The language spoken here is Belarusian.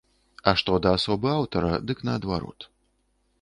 А што да асобы аўтара, дык наадварот.